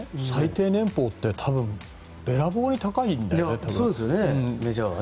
最低年俸って多分べらぼうに高いんだよね。